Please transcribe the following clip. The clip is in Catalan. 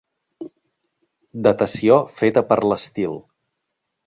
Datació feta per l'estil.